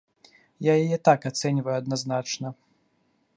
Я яе так ацэньваю адназначна.